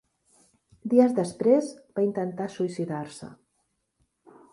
Dies després, va intentar suïcidar-se.